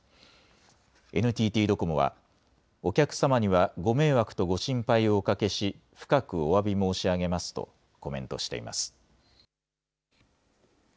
ＮＴＴドコモはお客様にはご迷惑とご心配をおかけし、深くおわび申し上げますとコメントしています。